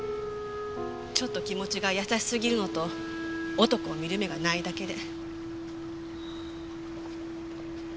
ちょっと気持ちが優しすぎるのと男を見る目がないだけで。